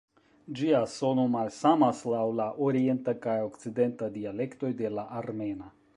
Ĝia sono malsamas laŭ la orienta kaj okcidenta dialektoj de la armena.